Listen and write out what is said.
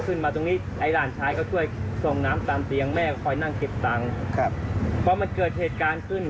คือเขาตามมาจากอีกเหตุหนึ่ง